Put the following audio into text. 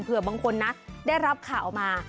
เผื่อบางคนได้รับข่าวมา